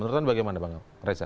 menurut anda bagaimana bang reza